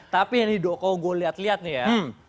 tapi nih dok kalau gue liat liat nih ya